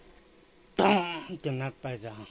どーんって鳴ったじゃん。